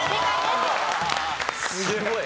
すごい。